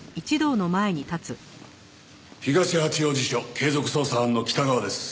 東八王子署継続捜査班の北川です。